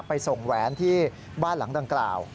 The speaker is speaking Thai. ไปส่งแหวนที่บ้านหลังดังกล่าว